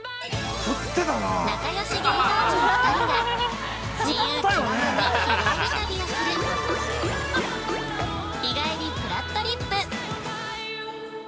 ◆仲よし芸能人が自由気ままに日帰り旅をする「日帰りぷらっとりっぷ」。